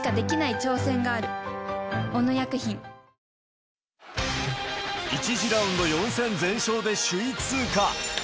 そして、１次ラウンド４戦全勝で首位通過。